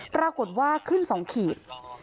ปรากฏว่าขึ้น๒ขีด